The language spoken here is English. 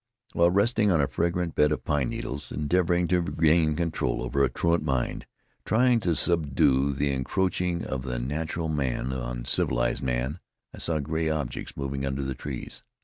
While resting on a fragrant bed of pine needles, endeavoring to regain control over a truant mind, trying to subdue the encroaching of the natural man on the civilized man, I saw gray objects moving under the trees.